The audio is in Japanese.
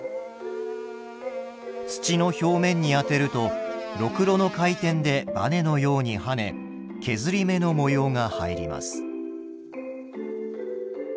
土の表面に当てるとろくろの回転でバネのように跳ね削り目の模様が入ります。